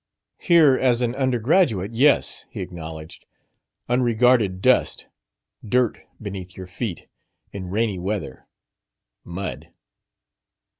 "Here as an undergraduate, yes," he acknowledged. "Unregarded dust. Dirt beneath your feet. In rainy weather, mud."